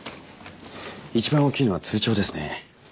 一番大きいのは通帳ですね。